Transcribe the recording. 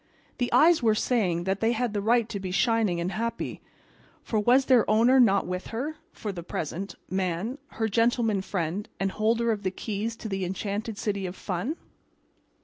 The eyes were saying that they had the right to be shining and happy, for was their owner not with her (for the present) Man, her Gentleman Friend and holder of the keys to the enchanted city of fun?